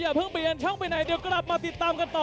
เพิ่งเปลี่ยนช่องไปไหนเดี๋ยวกลับมาติดตามกันต่อ